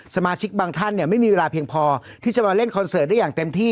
สมาชิกบางท่านเนี่ยไม่มีเวลาเพียงพอที่จะมาเล่นคอนเสิร์ตได้อย่างเต็มที่